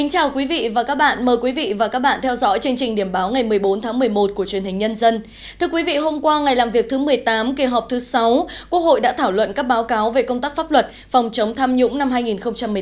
hãy đăng ký kênh để ủng hộ kênh của chúng mình nhé